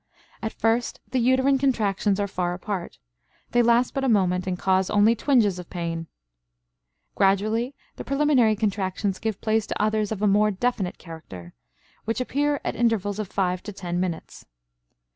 At first the uterine contractions are far apart; they last but a moment and cause only twinges of pain. Gradually, the preliminary contractions give place to others of more definite character, which appear at intervals of five to ten minutes.